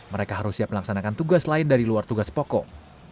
mereka harus siap melaksanakan tugas lain dari luar tugas pokok